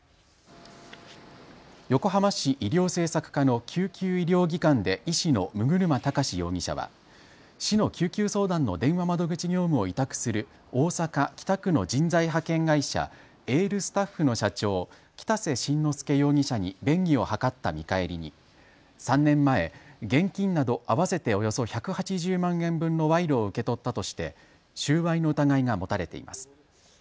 横浜市医療政策課の救急医療技官で医師の六車崇容疑者は市の救急相談の電話窓口業務を委託する大阪北区の人材派遣会社、エールスタッフの社長、北瀬真之亮容疑者に便宜を図った見返りに３年前、現金など合わせておよそ１８０万円分の賄賂を受け取ったとして収賄の疑いが持たれています。